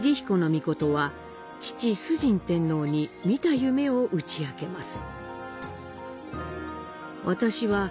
命は父・崇神天皇に見た夢を打ち明けます。